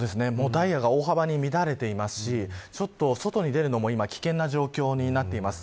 ダイヤが大幅に乱れていますしちょっと外に出るのも危険な状況になっています。